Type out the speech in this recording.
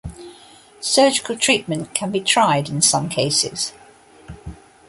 Surgical treatment can be tried in some cases.